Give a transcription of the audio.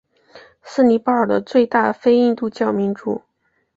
是尼泊尔的最大非印度教民族。